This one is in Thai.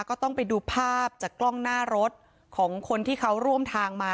ก็ต้องไปดูภาพจากกล้องหน้ารถของคนที่เขาร่วมทางมา